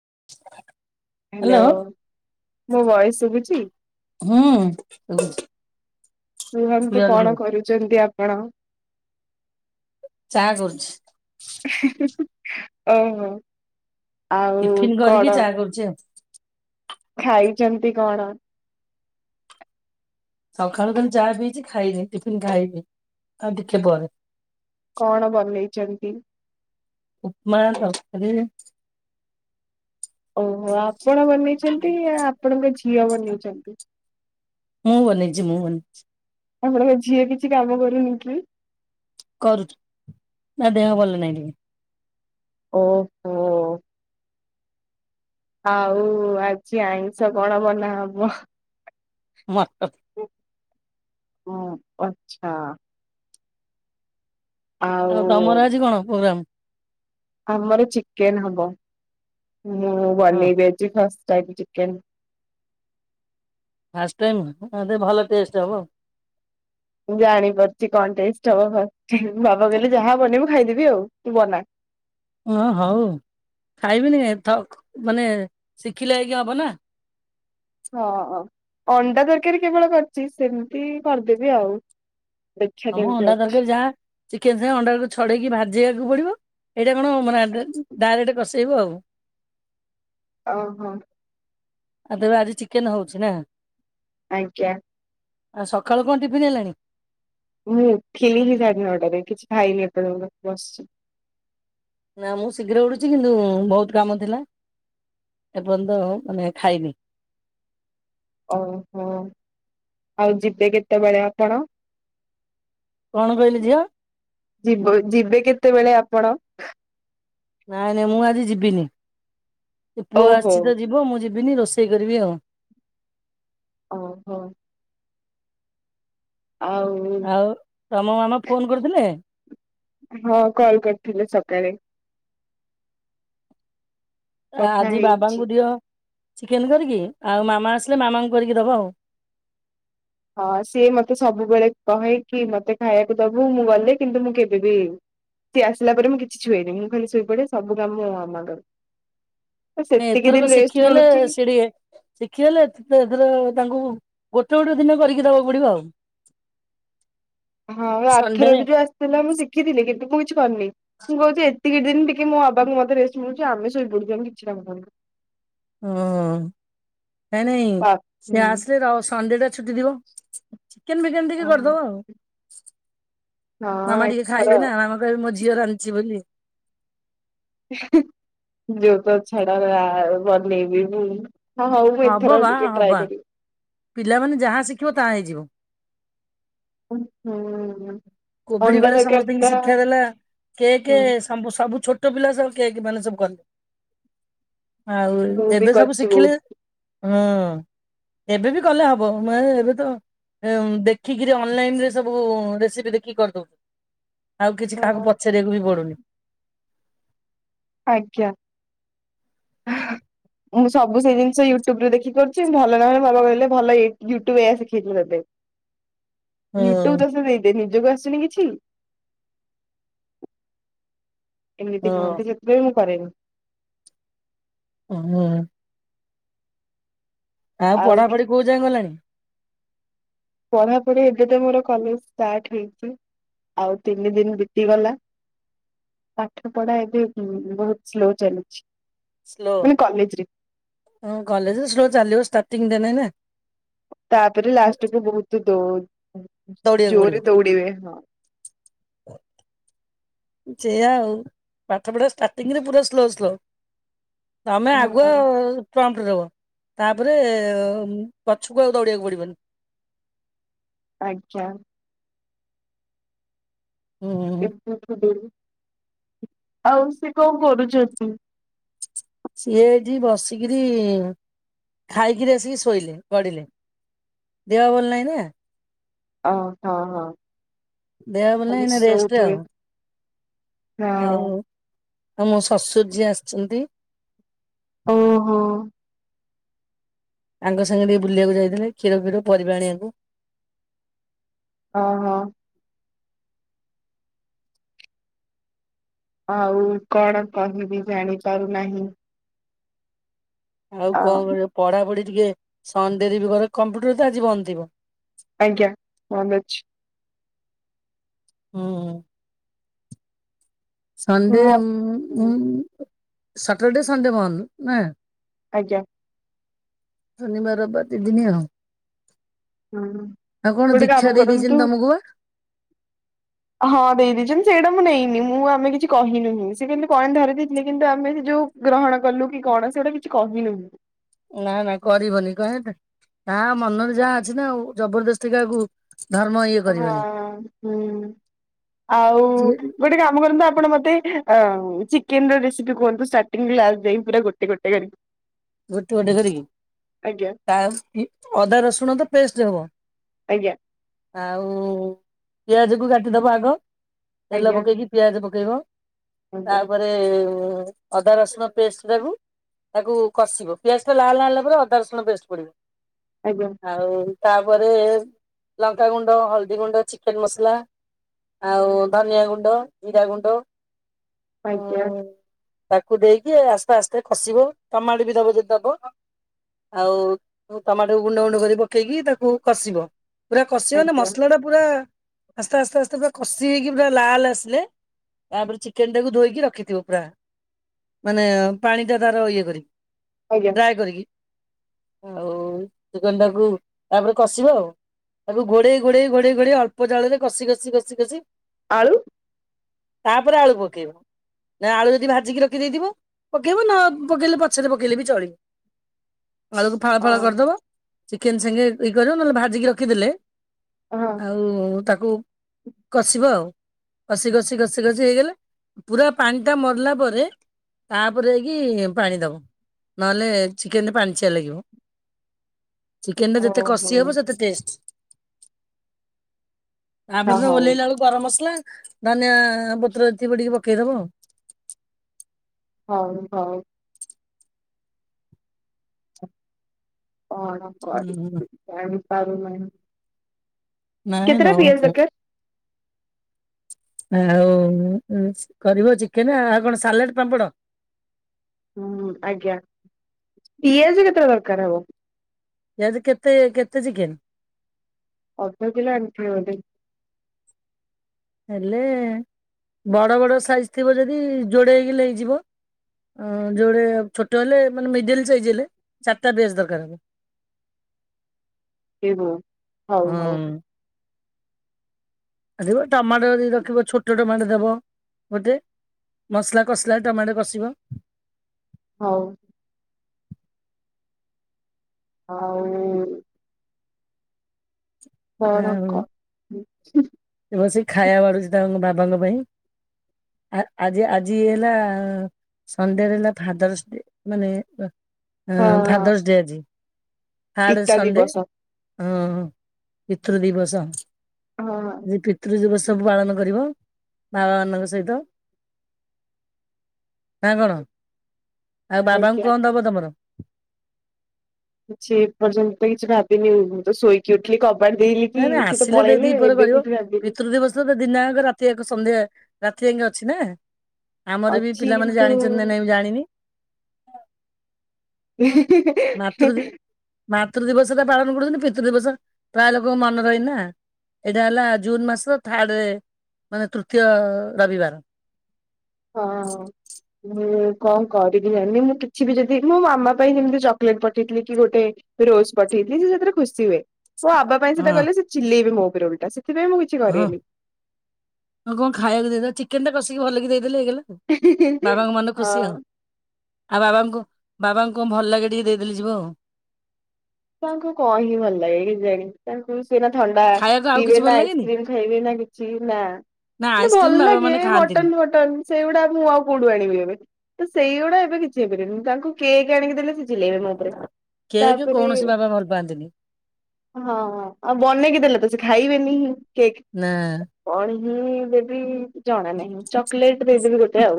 [inaudible] Hello hello ମୋ voice ସୁବୁଚି ହୁଁ କୁହନ୍ତୁ କ୍ଲିୟର କଣ ଶୁଭୁଚି କରୁଚନ୍ତି ଆପ ପଣ ଚା କରୁଛି। ଓହୋ। ଆଉ ଟିଫିନ କଣ କରିକି ଚା କରୁଚି ଆଉ। [inaudible] ଖାଇଛନ୍ତି କଣ? ସକାଳୁତ ଚାହା ପିଛି ଖାଇନି ଟିଫିନ ଖାଇବି ଆଉ ଟିକେ ପରେ। କଣ ବନେଇଛନ୍ତି? ଉପମା ତରକାରୀ। ଓହୋ ଆପଣ ବନେଇଛନ୍ତି ଆପଣଙ୍କ ଝିଅ। ଝିଅ ବନେଇଛନ୍ତି। ମୁଁ ବନେଇଛି ମୁଁ ବନେଇଛି। ଆପଣଙ୍କ ଝିଅ କିଛି କାମ କରୁନି କି? କରୁଛି ତା ଦେହ ଭଲ ନାଇଁ ଟିକେ। ଓହୋ। ଆଉ ଆଜି ଆଇଁଷ କଣ ବନାହେବ? [inaudible] ହଁ ଆଚ୍ଛା। ଆଉ ତମର ଆଜି କଣ ପ୍ରୋଗ୍ରାମ? ଆମର ଚିକେନ ହବ। ମୁଁ ହଁ ବନେଇବି ଆଜି ଖାସ୍। Type chicken. ଫାଷ୍ଟ ଟାଇମ ଭଲ ଟେଷ୍ଟ ହବ। ଜାଣିପାରୁଛି କଣ ଟେଷ୍ଟ ହବ ବାବା କହିଲେ ଯାହା ବନେଇବୁ ମୁଁ ଖାଇଦେବି ଆଉ ତୁ ବନା। ହ ହଉ ଖାଇବିନିଥ ମାନେ ଶିଖିଲା ହେଇକି ହବ ନା। ହଁ ଅଣ୍ଡା ତରକାରୀ କେବଳ କରିଛି ସେମିତି କରିଦେବି ଆଉ। ଦେଖିବା ହଁ ମୁଁ କେମିତି ଅଣ୍ଡା ହଉଛି। ଦରକାର ଯାହା ଚିକେନ ସେ ଅଣ୍ଡାକୁ ଛଡେଇକି ଭାଜି ଯିବାକୁ ପଡିବ ଏଇଟା କଣ ମାନେ ଡାଇରେକ୍ଟ କଷେଇବ ଆଉ। ଓ ହୋ। ଆଉ ତେବେ ଆଜି ଚିକେନ ହଉଛି ନା। ଆଜ୍ଞା। ଆଉ ସକାଳୁ କଣ ଟିଫନ୍ ହେଲାଣି? ମୁଁ [inaudible] କିଛି ଖାଇନି ଏ ପର୍ଯ୍ୟନ୍ତ ବସିଛି ନା ମୁଁ ଶୀଘ୍ର ଉଡୁଛି କିନ୍ତୁ ବହୁତ କାମ ଥିଲା। ଏପର୍ଯ୍ୟନ୍ତ ମାନେ ଖାଇନି ଓହୋ ଆଉ ଯିବେ କେତେବେଳେ ଆପଣ? କଣ କହିଲେ ଝିଅ ଯିବ ଯିବେ କେତେବେଳେ ଅପ କଣ ନାଇଁ ନାଇଁ ମୁଁ ଆଜି ଯିବିନି ତ ପୁଅ ଓହୋ ଆସିଛି ତ ଯିବ ମୁଁ ଯିବି ବିିନି ରୋଷେଇ କରିବି ଆଉ ଓ ହୋ। ଆଉ ଆଉ ତମ ମାମା ଫୋନ କରିଥିଲେ? ହଁ କଲ କରିଥିଲେି ସକାଳେ। କଥା ଆଜି ହେଇଛି। ବାବାଙ୍କୁ ଦିଅ ଚିକେନ କରିକି ଆଉ ମାମା ଆସିଲେ ମାମାଙ୍କୁ କରିକି ଦବ ଆଉ ହଁ ସିଏ ମତେ ସବୁବେଳେ କହେ କି ମତେ ଖାଇବାକୁ ଦବୁ ମୁଁ ଗଲେ କିନ୍ତୁ ମୁଁ କେବେବି ସିଏ ଆସିଲା ପରେ ମୁଁ କିଛି ଛୁଏଇନି ମୁଁ ଖାଲି ଶୋଇପଡେ ସବୁ କାମ ମୋ ମାମା କରେ। ତ ନା ସେତିକି ଏଥରକ ଦିନ ରେଷ୍ଟ ଶିଖିଗଲେ ମିଳୁଛି ସେ ଟିକେ ଶିଖିଗଲେ ଏଥର ତାଙ୍କୁ ଗୋଟେ ଗୋଟେ ଦିନ କରିକି ଦବା କୁ ପଡିବ ଆଉ ହଁ ଆର୍ଥର ସଣ୍ଡେରେ ବି ଯୋଉ ଆସିଥିଲି ମୁଁ ଶିଖିଥିଲି। କିନ୍ତୁ ମୁ ପୁଣି କରିନି ମୁଁ କହୁଛି ଦି ଦିନ ଟିକେ ମୋ ବାବାଙ୍କୁ ମତେ ରେଷ୍ଟ ମିଳୁଛି ଆମେ ଶୋଇପଡୁଚୁ ଆମେ କିଛି କାମ କରୁନୁ। ଓ ନାଇଁ ନାଇଁ ବା ସେ ହୁଁ ଆସିଲେ ର ସଣ୍ଡେଟା ଛୁଟି ଦିବ ଚିକେ ବିକେନ ଟିକେ ଅହ କରିଦବ ଆଉ ହଁ ମାମା ଟିକେ ଏଥର ଖାଇବେ ନା ମାମା କହିବେ ମୋ ଝି ଝିଅ ରାନ୍ଧଛି ବୋଲି ଯୋଉ ତ ଛାଡ ଆ ବନେଇବି ମୁଁ ହଁ ହଉ ମୁଁ ହବ ଏଥର ବା ଆଉ ଟିକେ ହବା ଟ୍ରାଏ କରିବି ପିଲାମାନେ ଯାହା ଶିଖିବ ତାହା ହେଇଯିବ ହୁଁ କୋଭିଡ ଅଣ୍ଡା ବେଳେ ତରକାରୀ ସମସ୍ତଙ୍କୁ ଟା ଶିକ୍ଷା ଦେଲା କେ କେ ହୁଁ ସମୁ ସବୁ ଛୋଟ ଛୋଟ ପିଲା ସବୁ କି ମାନ ସବୁ କେଲେ ଆଉ ମୁଁ ବି ଏବେ ସବୁ କରିଛି ବହୁତ ଶିଖିଲେ ହଁ ଏବେ ବି କଲେ ହବ ମୁ ଏବେ ତ ଦେଖିକିରି ଅନଲାଇନରେ ସବୁ ରେସିପି ଦେ କି କରିଦଉଛୁ ଆଉ କିଛି କାହାକୁ ହଁ, ପଚାରିବାକୁ ବି ପଡୁନି। ଆଜ୍ଞା ମୁଁ ସବୁ ସେ ଜିନିଷ ୟୁଟୁବୁ ଦେଖି କରୁଛି ଭଲ ନହେଲେ ମୋ ବାବା କହିଲେ ଭଲ ୟୁଟୁବଇ ୟା ଶିଖେଇଛି ତତେ ହୁଁ ୟୁଟୁବୁ ଦୋଷ ଦେଇଦେ ନିଜକୁ ଆସୁନି କିଛି। ହୁଁ ଏମିତି କୁହନ୍ତି ସେଥିପାଇଁ ମୁଁ କରେନି । ହଁ । ଆଉ ପଢାପଢି କୋଉ ଯାଏ ଗଲାଣି । ପଢାପଢି ଏବେ ତ ମୋର କଲେଜ ଷ୍ଟ୍ରାଟେ ହେଇଛି ଆଉ ତିନି ଦିନ ବିତିଗଲା ପାଠ ପଢା ଏବେ ବହୁତ ସ୍ଲୋ ଚାଲିଛି । ସ୍ଲୋ କଲେଜ ସ୍ଲୋ ଚାଲଲିବ ଷ୍ଟ୍ର । ଟିଙ୍ଗିଡା ନେନା । ତାପରେ ଲାଷ୍ଟକୁ ବହୁତ୍ ଦୋ । ଦୌଡିବାକୁ ଜୋରେ ଦୌଡ଼ିିବେ ହଁ । ହ [inaudible] ସେଆା ଆଉ ପାଠପଢା ଷ୍ଟାର୍ଟିଂ ରେ ପୁରା ସ୍ଲୋ ସ୍ଲୋ ତମେ ଆଗୁଆ ହଁ ରୋ ତାପରେ ପଛକୁ ଆକୁ ଦୌଡିବାକୁ ପଡିବନି। ଆଜ୍ଞା। ହୁଁ ଇନ୍ ଫଟ୍ କୁ ଦେଲି । ଆଉ ସେ କଣ କରୁଛନ୍ତି। ସିଏ ଏଠି ବସିକରି ଖାଇକିରି ଆସିକି ଶୋଇଲେ ଗଢିଲେ ଦେହ ଭଲ ନାହିଁ ନା। ଅ ହଁ ହଁ। ଦେହ ଭଲ ଖାଲି ନାହିଁ ରେଷ୍ଟେ ଆଉ ଶୋଉଥିବେ। ଆଉ। ହଁ। ଆଉ ମୋ ଶଶୁରୀ ଯି ଆସିଛନ୍ତି। ଓ ହୋ। ଆଙ୍କ ସାଙ୍ଗେ ଟିକେ ବୁଲିବାକୁ ଯାଇଥିଲେ କ୍ଷୀର ଫିର ପରିବା ଆଣିବାକୁ। ଅ ହ। ଆଉ କଣ କହିବି ଜାଣିପାରୁନାହିଁ। ଆଉ ଅ କଣ ପଢାପଢି। ଟିକେ ସଣ୍ଡେରେ ବି ଘରେ କମ୍ପ୍ୟୁଟର ତ ଆଜି ବନ୍ଦ ଥିବ। ଆଜ୍ଞା। ମନେ ଅଛି ହୁଁ। ସଣ୍ଡେ ହଁ ଆଉ ଉ ଉହୁଁ। ସାଟର୍ଡେ ସଣ୍ଡେ ବନ୍ଧ ନା। ଆଜ୍ଞା। ଶନିବାର ରବିବାର ଦି ଦିନି ଆଉ। ହୁଁ ଆଉ କଣ ଗୋଟେ ଦୀକ୍ଷା କାମ ଦେଇ କରନ୍ତୁ ଦେଇେଇଛନ୍ତି ତମକୁ ବା। ହଁ ଦେଇଦେଇଛନ୍ତି ସେଇଟା ମୁଁ ନେଇନି ମୁଁ ଆମେ କିଛି କହିନୁହଁ ସେ କେମତି କଣ ଧରି ଦେଇେଇଥିଲେ କିନ୍ତୁ ଆମେ ସେ ଯୋଉ ଗ୍ରହଣ କଲୁ କି କଣ ସେଇଟା କିଛି କହିନୁହଁ। ନା ନା କରିବନି କହ କାହା ମନରେ ଯାହା ଅଛି ନା ଆଉ ଜବରଦସ୍ତିକା କା‌ହାକୁ। ହଁ ହୁଁ ଆଉ ଗୋଟେ କାମ କରନ୍ତୁ ଆ ଆପଣ ମତେ ଅ ଚିକେନ ରେସିପି କୁହନ୍ତୁ ଷ୍ଟାର୍ଟଙ୍ଗୀ ରୁ ଲାଷ୍ଟେ ଜାଏ ପୁରା ଗୋଟେ ଗୋଟେ କରିକି। ଗୋଟେ ଗଟେ କରିକି ଆଜ୍ଞା ତା ଅଦା ରସୁଣ ତ ପେଷ୍ଟ ହବ। ଆଜ୍ଞା ଆଉ ପିଆଜ କୁ କାଟିଦବା ଆଗ। ତେଲ ଆଜ୍ଞା ପକେଇ କିି ପିଆଜ ପ ପକେଇବ। ଆଜ୍ଞା ତାପରେ ଏ ଅଦା ରସୁଣ ପେଷ୍ଟ୍ ଟାକୁ ତାକୁ କଷିବ ପିଆଜ ଟା ଲାଲ୍ ଲାଲ୍ ହେଲା ପରେ ଅଦା ରସୁଣ ପେଷ୍ଟ୍ ପଡ଼ିବ। ଆଜ୍ଞା। ଆଉ। ତାପରେ ଏ ଲଙ୍କା ଗୁଣ୍ଡ ହଳଦୀ ଗୁଣ୍ଡ ଚିକେନ ମସଲା ଆଉ ଉ ଧନିଆ ଗୁଣ୍ଡ ଜିରା ଗୁଣ୍ଡ। ଉଁ ଆଜ୍ଞା। ତାକୁ ଦେଇକି ଇ ଆସ୍ତେ ଆସ୍ତେ ଖସିବ। ଟମାଟ ବି ଦବ ଯଦି ଦବ ଆଉ ଉ ଟମାଟ କୁ ଗୁଣ୍ଡ ଗୁଣ୍ଡ କରି ପକେଇକି ତାକୁ କଷିବ। ପୁରା କଷିବ ନା ଆଜ୍ଞା ମସଲା ଟା ପୁରା ଆ ଆସ୍ତେ ଆସ୍ତେ ଆସ୍ତେ ପୁରା କଷି ହେଇକି ପୁରା ଲାଲ୍ ଆସିଲେ ତାପରେ ଚିକେନ ଟାକୁ ଧୋଇକି ରଖିଥିବ ପୁରା ମାନେ ଏ ଅ ପାଣି ଟା ତାର ଇଏ କରିକି। ଆଜ୍ଞା ଡ୍ରାଏ କରିକି। ଆଉ ଚିକେନ ଟାକୁ ତାପରେ କଷିବ ଆଉ ତାକୁ ଘୋଡେଇ ଘୋଡେଇ ଘୋଡେଇ ଘୋଡେଇ ଅଳ୍ପ ଜାଳରେ କଷି କଷି କଷି କଷି ଆଳୁ ତାପରେ ଆଳୁ ପକେଇବ ନା ଆଳୁ ଯଦି ଭାଜିକି ରଖି ଦେଇଥିବ ପକେଇବ ନଅ ପକେଇଲେ ପ ଛରେ ପକେଇଲେ ବି ଚଳିବ। ଆଳୁ କୁ ଫାଳ ଅ ଫାଳ କରିଦବ। ଚିକେନ ସାଙ୍ଗେ ଇଏ କରିବ ନହେଲେ ଭାଜିକି ରଖିଦେଲେ ହଁ ଆଉ ଉ ତା କୁ କଷିବ ଆଉ କଷି କଷି ଘଷି ଘଷି ହେଇଗଲେ ପୁରା ପାଣିଟା ମରିଲା ପରେ ତାପରେ ହେଇକି ଇ ପାଣି ଦବ। ନହେଲେ ଏ ଚିକେନ ରେ ପାଣି ଚିଆ ଲାଗିବ। ଚିକେନ୍ ଟା ଯେତେ କଷି ଓହୋ ହବ ଆଚ୍ଛା ସେତେ ଟେଷ୍ଟ୍। ତା ପରେ ତ ହଉ ଓହ୍ଲେଇ ଲାଳୁ ଗରମ ମସଲା। ଧନିଆ ଆ ପତ୍ର ଥିବ ଟିକେ ପକେଇ ଦବ ଆଉ। ହଉ ହଉ। କଣ ହୁଁ କରିବି? ପାରୁନାହିଁ। ନାଇଁ ରହୁନି। ଆଉ ଉ କରିବ ଚିକେନେ ଆଉ କଣ ସାଲାଡ ପାମ୍ପଡ? ହୁଁ ଆଜ୍ଞା ପିଆଜ କେତେଟା ଦରକାର ହବ। ପିଆଜ କେତେ ଏ କେତେ ଚିକେନ୍? ଅଧ କିିଲ ଆଣିଥିବେ ବୋଧେ। ହେଲେ ଏ ବଡ଼ ବଡ଼ ସାଇଜ୍ ଥିବ ଯଦି ଇ ଯୋଡେ ହେଇଗଲେ ହେଇଯିବ। ଯୋଡେ ଛୋଟ ହେଲେ ମାନେ ମିଡିଲ ସାଇଜ୍ ହେଲେ ଚାର୍ ଟା ପିଆଜ ଦରକାର ହେବ। ଏ ହଉ ହଉ ହଉ। ରିଖିବ ଟମାଟ ଯଦି ରଖିବ ଛୋଟ ଟମାଟ ଦବ ଗୋଟେ ମସଲା କଷିଲା ଟମାଟ କଷିବ। ହଉ। ହଉ। କଣ କ ବସିକ ଖାଇବା ବାଡୁଛି ତାଙ୍କ ବାବାଙ୍କ ପାଇଁ ଆ-ଆଜି ଆଜି ହେଲା ସଣ୍ଡେ ରେ ହେଲା ଫାଦର୍ସ ଡେ ମାନେ। ହଁ ହଁ ଫାଦର୍ସ ଡେ ଆଜି। ଥାର୍ଡ ପିତା ସଣ୍ଡେ ଦିବସ। ହଁ ପିତୃ ଦିବସ। ହଁ। ଆ ପିତୃ ଦିବ ସବୁ ପାଳନ କରିବ ବାବା ମାନଙ୍କ ସହିତ। ନା କଣ? ଆଉ ବାବାଙ୍କୁ ଆଜ୍ଞା। କଣ ଦବ ତମର? କିଛି ଏ ପର୍ଯ୍ୟନ୍ତ ତ କିଛି ଭାବିନି ମୁଁ ତ ଶୋଇକି ଉଠିଲି କ ନାଇଁ ନାଇଁ ଆସିଲେ ଦେ ଦିପରେ କରିବ କିଛି ଭାବିନି। ପିତୃ ଦିବସ ତ ଦିନଆକ ରାତି ଆକ ସନ୍ଧ୍ୟା। ରାତି ଯାଙ୍କେ ଅଛି ନା। ଆମର ବି ଅଛି ପିଲାମାନେ ଜାଣିଛନ୍ତି କିନ୍ତୁ ନା ନାଇଁ ମୁଁ ଜାଣିନି। [inaudible] ହୁଁ। ମାତୃ ଦ ମାତୃ ଦିବସଟ ପାଳନ କରନ୍ତିନି। ପିତୃ ଦିବସ ପ୍ରାୟ ଲୋକଙ୍କ ମନେ ରହେନା। ଏଇଟା ହେଲା ଜୁନ ମାସର ଥାର୍ଡ ମାନେ ତୃତୀୟ ରବିବାର। ହଁ ମୁଁ କଣ କରିବି ଜି ମୁଁ କିଛି ବି ଯଦି ମୋ ମାମା ପାଇଁ ଯେମିତି ଚକଲେଟ ପଠେଇଥିଲି। କି ଗୋଟେ ରୋଜ ପଠେଇଥିଲି ସେ ସେଥିରେ ଖୁସି ହୁଏ। ମୋ ବାବା ପାଇଁ ସେଟା ହଁ କଲେ ସେ ଚିଲେଇବେ ମୋ [unintelligible] ହଁ କରେନି। [inaudible] କଣ ଖାଇବାକୁ ଦେଇଦେଲ ଚିକେନ ଟା। କସିିକି ହଲେଇିକି ଦେ ହେଇଗଲା ଆ ବାବାଙ୍କ ମନ ଖୁସି ଆଉ। ହଁ ଆଉ ବାବାଙ୍କୁ ବାବାଙ୍କୁ କ ଭଲ ଲାଗେ ଟିକେ ଦେଇଦେଲି ଯିବ ଆଉ। [inaudible] ତାଙ୍କୁ କଣ ହିଁ ଭଲ ଲାଗେ କେଜାଣି ତାଙ୍କୁ ଥଣ୍ଡା ଖାଇବାକୁ ଆଉ ପିବେ କିଛି ଭଲ ନା ଲାଗେନି? ଆଇସ୍କ୍ରି ଖାଇବେ। ନା କିଛି ନା ନା ଆଇସ୍କ୍ରିମ ଭଲ ବାବା ଲାଗେ ମାନେ ଖାଆନ୍ତିନି ମଟନ୍ ଫଟନ ସେଇଗୁଡା ମୁଁ ଆଉ କୋଉଠୁ ଆଣିବି ଏବେ। ତ ସେଇଗୁଡା ଏବେ କିଛି ହେଇପାରିିବନି। ତାଙ୍କୁ କେକ୍ ଆଣିକି ଦେଲେ। ସେ ଚିଲେଇବେ ମୋ ଉପରେ କେକ୍ ତାପରେ ହୁଁ କୌଣସି ବାବା ଭଲ ପାଆନ୍ତିନି ହଁ ଆଉ ବନେଇକି ଦେଲେ ତ ସେ ଖାଇବେନି ହିଁ। କେକ ନା ପାଣି ମୁଁ ଦେବି ଜଣା ନାହିଁ ଚକୋଲେଟ ଦେଇଦେବି ଗୋଟେ ଆଉ।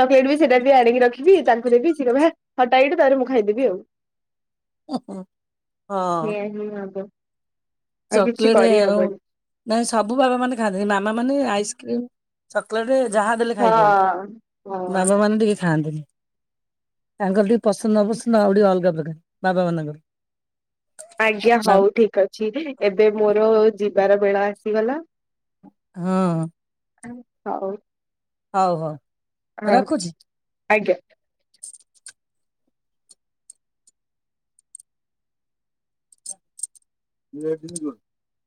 ଚକୋଲେଟ ବି ସେଇଟା ବି ଆଣିକି ରଖିବି ତାଙ୍କୁ ଦେବି। ସେ କହିବେ ହେ ହଟା ଏଠୁ ତାର ମୁଁ ଖାଇଦେବି ଆଉ। [inaudible] ହଁ। ଏଇଆ ହିଁ ହବ ଆଉ କିଛି ଚକୋଲେଟ ଆଉ କରିହବନି। ନାଇଁ ସବୁ ବାବା ମାନେ ଖାଆନ୍ତି। ମାମା ମାନେ ଆଇସ୍କ୍ରିମ ଚକଲେଟ ଯାହା ଦେଲେ ହଁ ଖାଇଦିଅନ୍ତି ହଁ। ମାମା ମାନେ ଟିକେ ଖାଆନ୍ତିନି। [inaudible] ଏଙ୍ଗଲଡି ପସନ୍ଦ ଅପସନ୍ଦ ଆଉ ଟିକେ ଅଲଗା ପ ବାବା ମାନଙ୍କର। ଆଜ୍ଞା ବା ହଉ ଠିକ ଅଛି। ଏବେ ମୋର ଯିବାର ବେଳ ଆସିଗଲା। ହଁ। ଆ ହଉ। ହଉ ହଉ। ହଁ ରଖୁଛି। ଆଜ୍ଞା। [unintelligible]